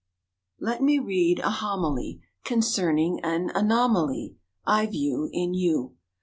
Let me read a homily Concerning an anomaly I view In you.